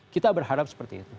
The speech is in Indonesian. kita berharap seperti itu